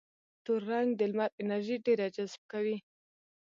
تور رنګ د لمر انرژي ډېره جذبه کوي.